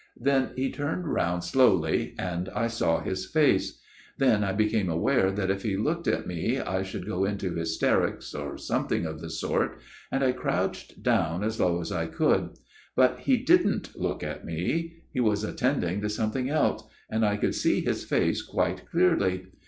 " 'Then he turned round slowly, and I saw his face. Then I became aware that if he looked at me I should go into hysterics or something of the sort ; and I crouched down as low as I could. But he didn't look at me; he was attending to something else ; and I could see his face quite clearly.